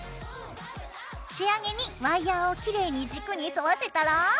仕上げにワイヤーをきれいに軸に沿わせたら。